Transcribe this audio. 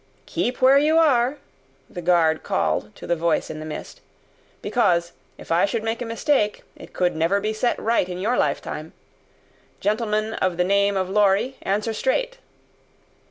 "Keep where you are," the guard called to the voice in the mist, "because, if I should make a mistake, it could never be set right in your lifetime. Gentleman of the name of Lorry answer straight."